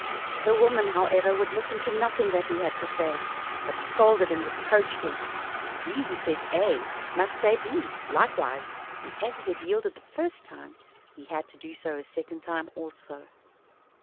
The woman, however, would listen to nothing that he had to say, but scolded and reproached him. He who says A must say B, likewise, and as he had yielded the first time, he had to do so a second time also.